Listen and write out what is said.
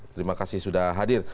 terima kasih sudah hadir